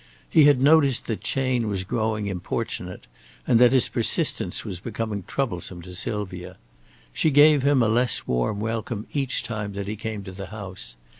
He had noticed that Chayne was growing importunate, and that his persistence was becoming troublesome to Sylvia. She gave him a less warm welcome each time that he came to the house.